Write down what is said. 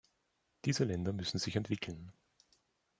Diese Länder müssen sich entwickeln.